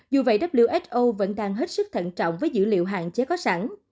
dù vậy who vẫn đang hết sức thận trọng với dữ liệu hạn chế có sẵn